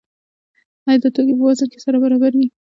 آیا دا توکي په وزن کې سره برابر دي؟